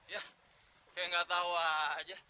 ya kayak gak tau aja